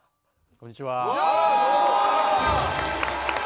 こんにちは。